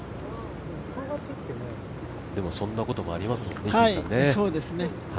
でもそんなこともありますもんね。